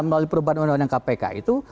melalui perubahan undang undang kpk itu